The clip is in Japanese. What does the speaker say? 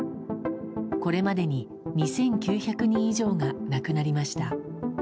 これまでに２９００人以上が亡くなりました。